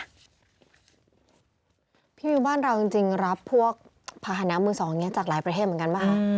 พี่มิวบ้านเราจริงรับพวกภาษณะมือสองอย่างนี้จากหลายประเทศเหมือนกันป่ะคะ